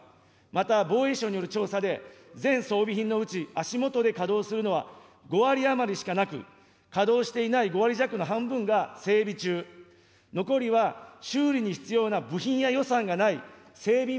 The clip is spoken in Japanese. また、防衛省による調査で、全装備品のうち足下で稼働するのは５割余りしかなく、かどうしていない５割弱の半分が整備中、残りは修理に必要な部品や予算がない整備